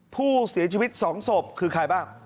ผู้เสียชีวิต๒ศพคือใครบ้าง